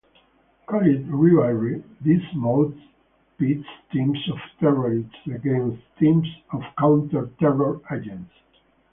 Called "Rivalry", this mode pits teams of terrorists against teams of counter-terror agents.